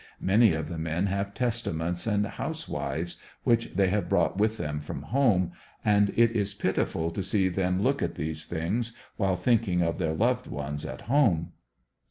Many of the men have testaments, and ''house wives" which they have brought with them from home, and it is pitiful to see them look at these things while thinking of their loved ones at home.